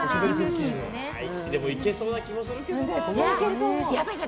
でもいけそうな気もするけどな。